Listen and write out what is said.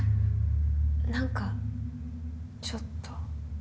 何かちょっと。